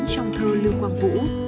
trong thơ lưu quang vũ